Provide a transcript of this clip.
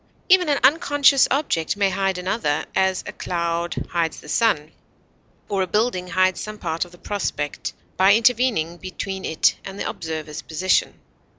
Even an unconscious object may hide another; as, a cloud hides the sun, or a building hides some part of the prospect by intervening between it and the observer's position.